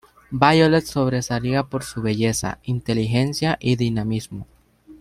Violette sobresalía por su belleza, inteligencia y dinamismo.